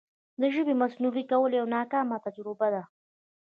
د ژبې مصنوعي کول یوه ناکامه تجربه ده.